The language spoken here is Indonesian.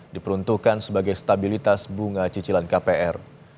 diperuntukkan sebagai stabilitas bunga cicilan kpr